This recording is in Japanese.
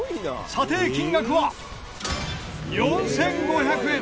査定金額は４５００円！